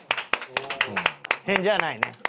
変じゃないね。